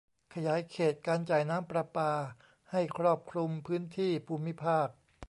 ขยายเขตการจ่ายน้ำประปาให้ครอบคลุมพื้นที่ภูมิภาค